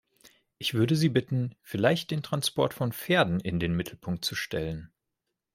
Ich würde Sie bitten, vielleicht den Transport von Pferden in den Mittelpunkt zu stellen.